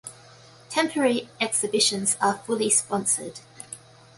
Temporary exhibitions are fully sponsored.